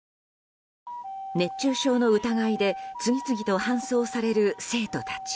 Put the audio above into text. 熱中症の疑いで次々と搬送される生徒たち。